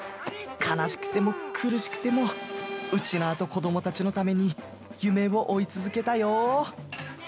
悲しくても、苦しくてもウチナーと子どもたちのために夢を追い続けたよー。